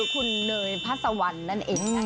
คุณเนยพัสวันนั่นเองนะคะ